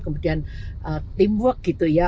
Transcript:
kemudian teamwork gitu ya